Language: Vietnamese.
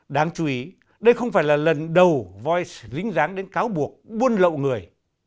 đáng chú ý đây không phải là lần đầu voice lính dáng đến cáo buộc buôn lậu người